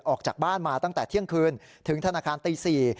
ออกจากบ้านมาตั้งแต่เที่ยงคืนถึงธนาคารตี๔